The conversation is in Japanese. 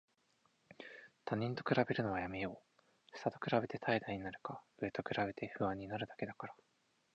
他人と比べるのはやめよう。下と比べて怠惰になるか、上と比べて不安になるだけだから。